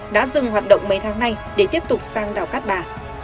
đã dừng hoạt động mấy tháng nay để tiếp tục sang đảo cát bà